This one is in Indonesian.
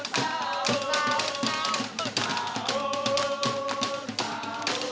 sahur sahur sahur sahur